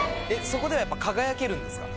そこではやっぱ輝けるんですか？